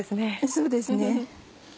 そうですね。